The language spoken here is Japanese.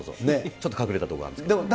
ちょっと隠れた所があるんですけど。